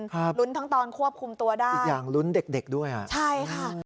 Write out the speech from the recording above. ครับอีกอย่างลุ้นเด็กด้วยอ่ะใช่ค่ะลุ้นทั้งตอนควบคุมตัวได้